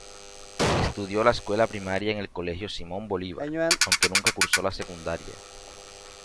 Estudió la escuela primaria en el Colegio Simón Bolívar, aunque nunca cursó la secundaria.